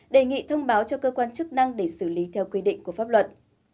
đề nghị thông báo cho cơ quan chức năng để xử lý theo quy định của pháp luật